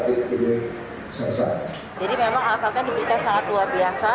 jadi memang alat alatnya diberikan sangat luar biasa